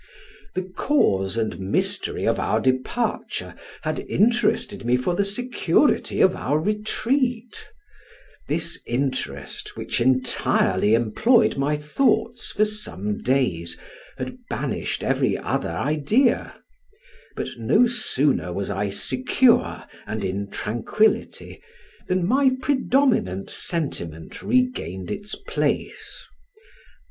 The cause and mystery of our departure had interested me for the security of our retreat: this interest, which entirely employed my thoughts for some days, had banished every other idea; but no sooner was I secure and in tranquility, than my predominant sentiment regained its place.